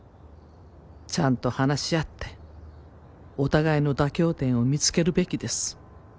「ちゃんと話し合ってお互いの妥協点を見つけるべきです」